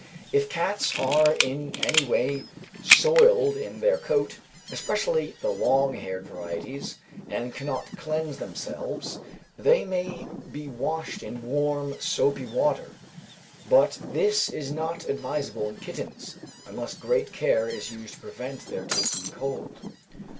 If cats are in any way soiled in their coat, especially the long haired varieties, and cannot cleanse themselves, they may be washed in warm, soapy water; but this is not advisable in kittens, unless great care is used to prevent their taking cold.